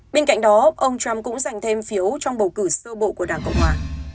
bên cạnh đó ông trump cũng giành thêm phiếu trong bầu cử sơ bộ của đảng cộng hòa